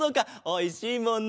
おいしいもんな！